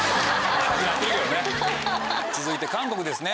続いて韓国ですね